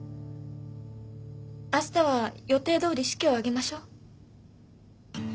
あしたは予定どおり式を挙げましょ？